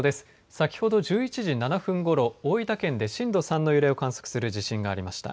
先ほど１１時７分ごろ大分県で震度３の揺れを観測する地震がりました。